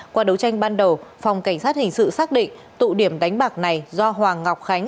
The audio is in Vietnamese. qua đấu tranh ban đầu phòng cảnh sát hình sự xác định tụ điểm đánh bạc này do hoàng ngọc khánh